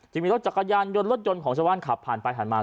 จะมีรถจักรยานยนต์รถยนต์ของชาวบ้านขับผ่านไปผ่านมา